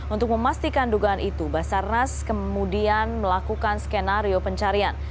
untuk memastikan dugaan itu basarnas kemudian melakukan skenario pencarian